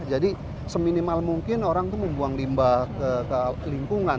jadi seminimal mungkin orang tuh membuang limbah ke lingkungan